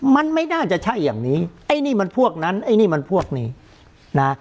มันไม่น่าจะใช่อย่างนี้ไอ้นี่มันพวกนั้นไอ้นี่มันพวกนี้นะ